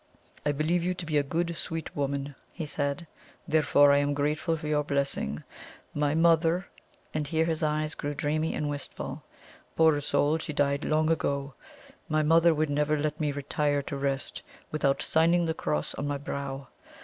"I believe you to be a good, sweet woman," he said, "therefore I am grateful for your blessing. My mother," and here his eyes grew dreamy and wistful "poor soul! she died long ago my mother would never let me retire to rest without signing the cross on my brow.